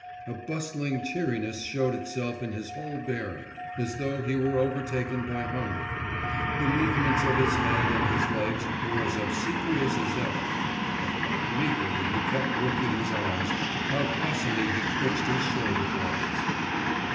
A bustling cheeriness showed itself in his whole bearing, as though he were overtaken by hunger; the movements of his head and his legs were as obsequious as ever, but how gleefully he kept working his arms, how fussily he twitched his shoulder blades.